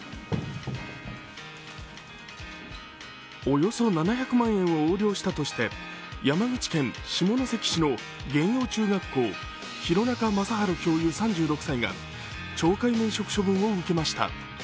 およそ７００万円を横領したとして山口県下関市の玄洋中学校弘中雅治教諭３６歳が懲戒免職処分を受けました。